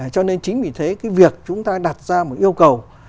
cho nên chính vì thế cái việc chúng ta đặt ra một yêu cầu